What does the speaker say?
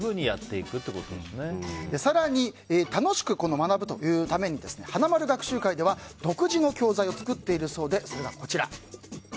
更に、楽しく学ぶというために花まる学習会では独自の教材を作っているそうでそれが、こちら。